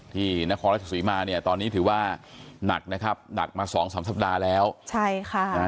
ที่นครรภ์ชศุมิมาตอนนี้ถือว่าหนักนะครับหนักมา๒๓สัปดาห์แล้วใช่ค่ะ